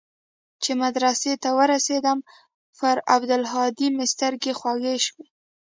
چې مدرسې ته ورسېدم پر عبدالهادي مې سترګې خوږې سوې.